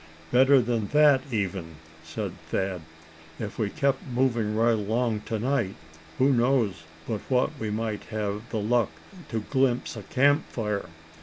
"Better than that, even," said Thad, "if we kept moving right along to night who knows but what we might have the luck to glimpse a camp fire.